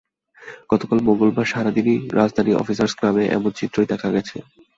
গতকাল মঙ্গলবার সারা দিনই রাজধানীর অফিসার্স ক্লাবে এমন চিত্রই দেখা গেছে।